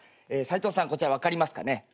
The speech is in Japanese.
サイトウさんこちら分かりますかね？